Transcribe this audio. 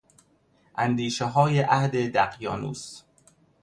اندیشههای عهد دقیانوس